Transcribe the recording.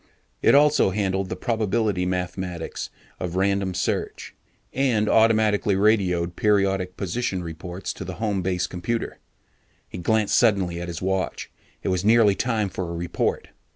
It also handled the probability mathematics of random search, and automatically radioed periodic position reports to the home base computer. He glanced suddenly at his watch, it was nearly time for a report.